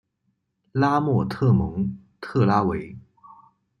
拉莫特蒙特拉韦。